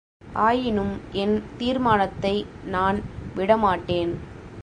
ஆயினும், என் தீர்மானத்தை நான் விடமாட்டேன்!